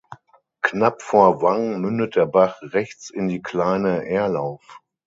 Knapp vor Wang mündet der Bach rechts in die Kleine Erlauf.